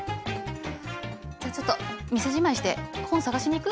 じゃあちょっと店じまいして本探しに行く？